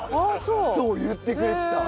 そう言ってくれてた！